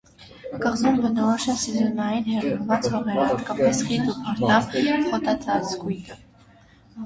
Կղզուն բնորոշ են սեզոնային հեղեղված հողերը, հետևապես՝ խիտ ու փարթամ խոտածածկույթը։